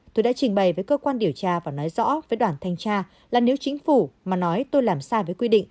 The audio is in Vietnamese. tôi đã trình bày với cơ quan điều tra và nói rõ với đoàn thanh tra là nếu chính phủ mà nói tôi làm sai với quy định